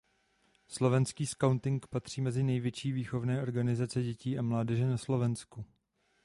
Slovenský skauting patří mezi největší výchovné organizace dětí a mládeže na Slovensku.